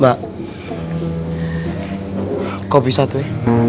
mak kok bisa tuh